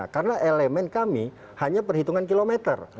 karena elemen kami hanya perhitungan kilometer